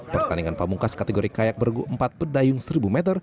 pertandingan pamungkas kategori kayak bergu empat pedayung seribu meter